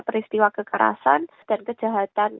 peristiwa kekerasan dan kejahatan